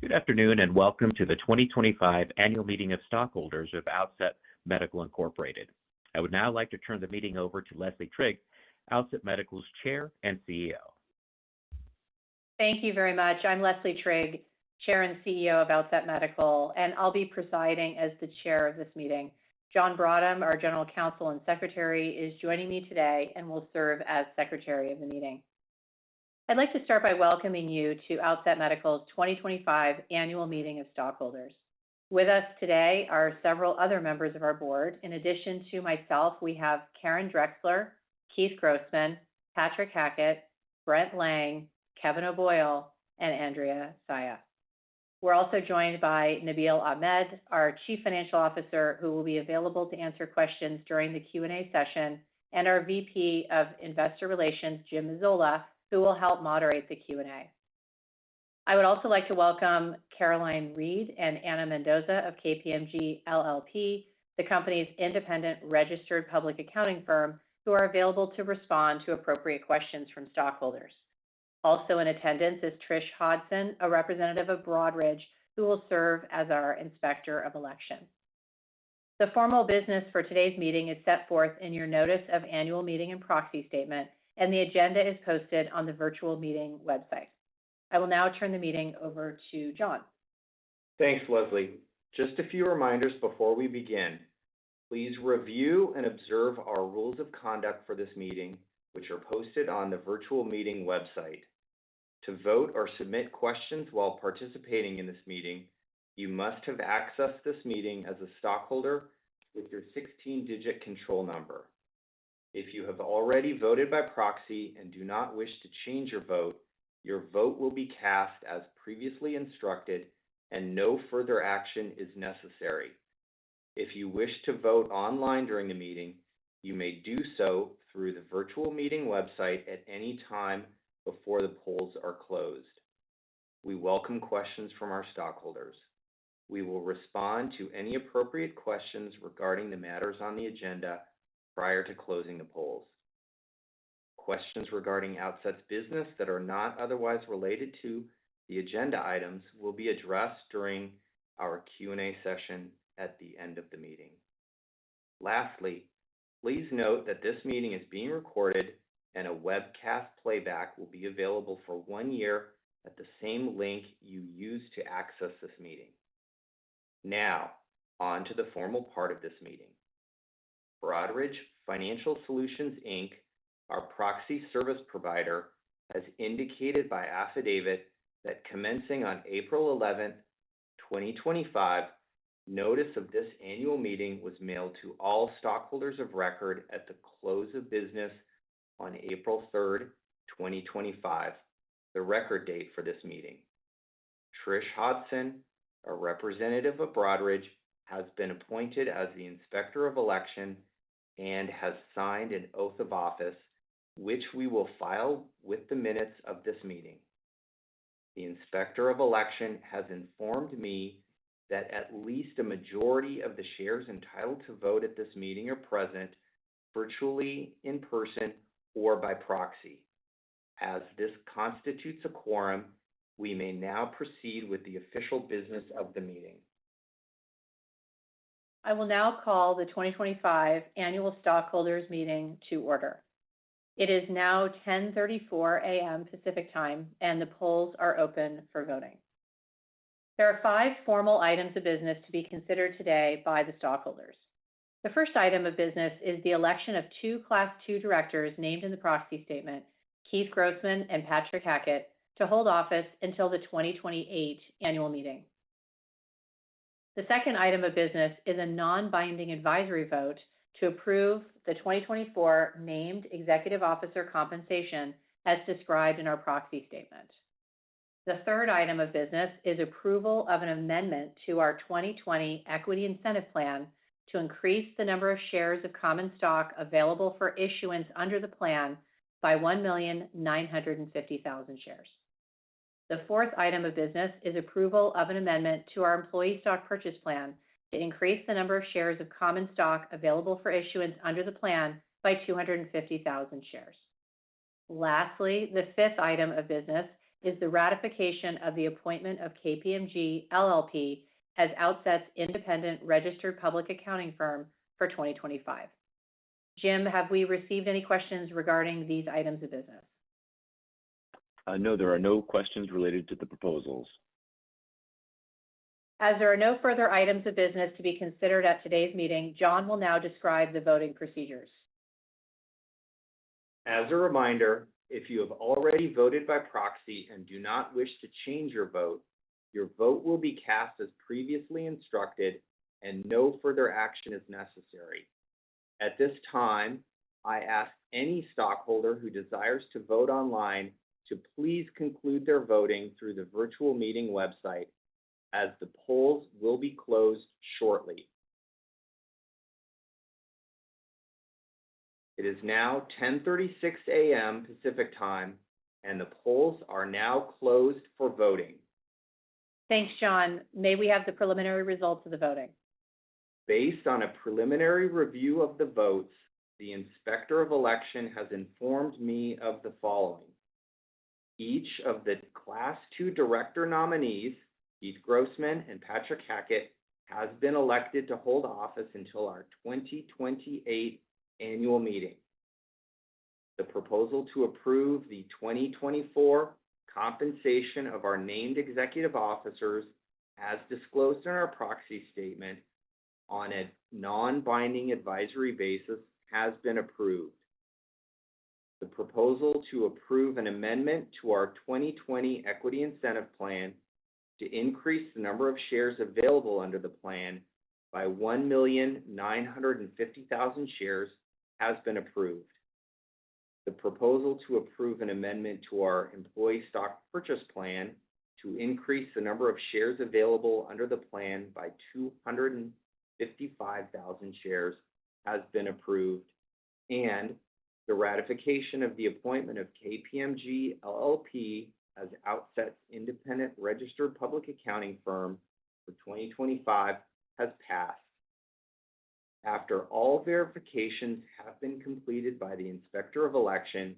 Good afternoon and welcome to the 2025 Annual Meeting of Stockholders of Outset Medical Incorporated. I would now like to turn the meeting over to Leslie Trigg, Outset Medical's Chair and CEO. Thank you very much. I'm Leslie Trigg, Chair and CEO of Outset Medical, and I'll be presiding as the Chair of this meeting. John Brottem, our General Counsel and Secretary, is joining me today and will serve as Secretary of the meeting. I'd like to start by welcoming you to Outset Medical's 2025 Annual Meeting of Stockholders. With us today are several other members of our board. In addition to myself, we have Karen Drexler, Keith Grossman, Patrick Hackett, Brent Lang, Kevin O'Boyle, and Andrea Saia. We're also joined by Nabeel Ahmed, our Chief Financial Officer, who will be available to answer questions during the Q&A session, and our VP of Investor Relations, Jim Mazzola, who will help moderate the Q&A. I would also like to welcome Caroline Reed and Anna Mendoza of KPMG LLP, the company's independent registered public accounting firm, who are available to respond to appropriate questions from stockholders. Also in attendance is Trish Hodson, a representative of Broadridge, who will serve as our Inspector of Elections. The formal business for today's meeting is set forth in your Notice of Annual Meeting and Proxy Statement, and the agenda is posted on the virtual meeting website. I will now turn the meeting over to John. Thanks, Leslie. Just a few reminders before we begin. Please review and observe our rules of conduct for this meeting, which are posted on the virtual meeting website. To vote or submit questions while participating in this meeting, you must have accessed this meeting as a stockholder with your 16-digit control number. If you have already voted by proxy and do not wish to change your vote, your vote will be cast as previously instructed, and no further action is necessary. If you wish to vote online during the meeting, you may do so through the virtual meeting website at any time before the polls are closed. We welcome questions from our stockholders. We will respond to any appropriate questions regarding the matters on the agenda prior to closing the polls. Questions regarding Outset's business that are not otherwise related to the agenda items will be addressed during our Q&A session at the end of the meeting. Lastly, please note that this meeting is being recorded, and a webcast playback will be available for one year at the same link you use to access this meeting. Now, on to the formal part of this meeting. Broadridge Financial Solutions Inc, our proxy service provider, has indicated by affidavit that commencing on April 11th, 2025, notice of this annual meeting was mailed to all stockholders of record at the close of business on April 3rd, 2025, the record date for this meeting. Trish Hodson, a representative of Broadridge, has been appointed as the Inspector of Elections and has signed an oath of office, which we will file with the minutes of this meeting. The Inspector of Elections has informed me that at least a majority of the shares entitled to vote at this meeting are present virtually in person or by proxy. As this constitutes a quorum, we may now proceed with the official business of the meeting. I will now call the 2025 Annual Stockholders Meeting to order. It is now 10:34 A.M. Pacific time, and the polls are open for voting. There are five formal items of business to be considered today by the stockholders. The first item of business is the election of two Class 2 directors named in the proxy statement, Keith Grossman and Patrick Hackett, to hold office until the 2028 Annual Meeting. The second item of business is a non-binding advisory vote to approve the 2024 named Executive Officer compensation as described in our proxy statement. The third item of business is approval of an amendment to our 2020 Equity Incentive Plan to increase the number of shares of common stock available for issuance under the plan by 1,950,000 shares. The fourth item of business is approval of an amendment to our Employee Stock Purchase Plan to increase the number of shares of common stock available for issuance under the plan by 250,000 shares. Lastly, the fifth item of business is the ratification of the appointment of KPMG LLP as Outset's independent registered public accounting firm for 2025. Jim, have we received any questions regarding these items of business? No, there are no questions related to the proposals. As there are no further items of business to be considered at today's meeting, John will now describe the voting procedures. As a reminder, if you have already voted by proxy and do not wish to change your vote, your vote will be cast as previously instructed and no further action is necessary. At this time, I ask any stockholder who desires to vote online to please conclude their voting through the virtual meeting website as the polls will be closed shortly. It is now 10:36 A.M. Pacific time, and the polls are now closed for voting. Thanks, John. May we have the preliminary results of the voting? Based on a preliminary review of the votes, the Inspector of Elections has informed me of the following. Each of the Class 2 director nominees, Keith Grossman and Patrick Hackett, has been elected to hold office until our 2028 Annual Meeting. The proposal to approve the 2024 compensation of our named Executive Officers, as disclosed in our proxy statement, on a non-binding advisory basis has been approved. The proposal to approve an amendment to our 2020 Equity Incentive Plan to increase the number of shares available under the plan by 1,950,000 shares has been approved. The proposal to approve an amendment to our Employee Stock Purchase Plan to increase the number of shares available under the plan by 250,000 shares has been approved, and the ratification of the appointment of KPMG LLP as Outset Medical's independent registered public accounting firm for 2025 has passed. After all verifications have been completed by the Inspector of Elections,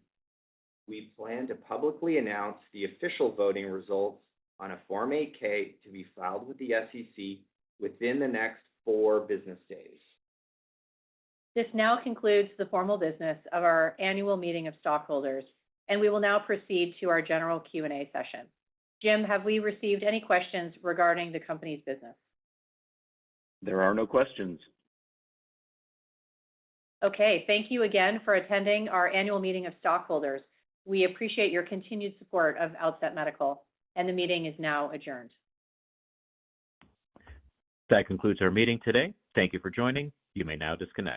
we plan to publicly announce the official voting results on a Form 8-K to be filed with the SEC within the next four business days. This now concludes the formal business of our Annual Meeting of Stockholders, and we will now proceed to our general Q&A session. Jim, have we received any questions regarding the company's business? There are no questions. Okay. Thank you again for attending our Annual Meeting of Stockholders. We appreciate your continued support of Outset Medical, and the meeting is now adjourned. That concludes our meeting today. Thank you for joining. You may now disconnect.